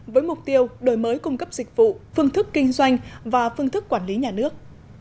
với mục tiêu đổi mới cung cấp dịch vụ phương thức kinh doanh và phương thức quản lý nhà nước